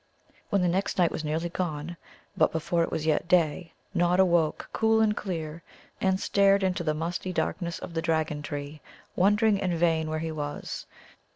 When the next night was nearly gone, but before it was yet day, Nod awoke, cool and clear, and stared into the musty darkness of the Dragon tree, wondering in vain where he was.